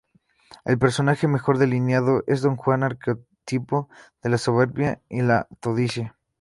El personaje mejor delineado es don Juan, arquetipo de la soberbia y la codicia.